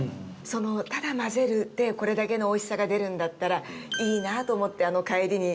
ただ混ぜるで、これだけのおいしさが出るんだったらいいなと思って、帰りに。